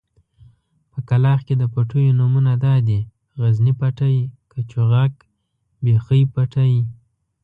په کلاخ کې د پټيو نومونه دادي: غزني پټی، کچوغک، بېخۍ پټی.